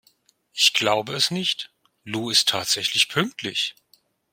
Ich glaube es nicht, Lou ist tatsächlich pünktlich!